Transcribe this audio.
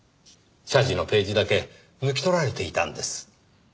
謝辞のページだけ抜き取られていたんです。